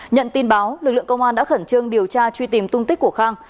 nhận tin báo lực lượng công an đã khẩn trương điều tra truy tìm tung tích của khang